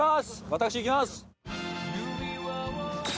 私いきます。